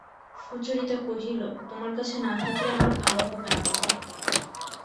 সুচরিতা কহিল, তোমার কাছে না থাকলে আমার ভালো হবে না বাবা।